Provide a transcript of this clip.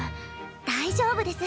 大丈夫です。